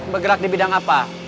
bergerak di bidang apa